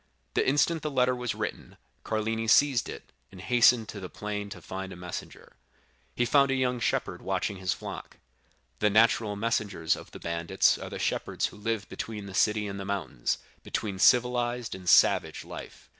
The instant the letter was written, Carlini seized it, and hastened to the plain to find a messenger. He found a young shepherd watching his flock. The natural messengers of the bandits are the shepherds who live between the city and the mountains, between civilized and savage life.